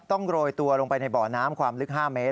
โรยตัวลงไปในบ่อน้ำความลึก๕เมตร